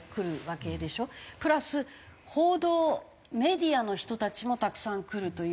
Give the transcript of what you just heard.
プラス報道メディアの人たちもたくさん来るという。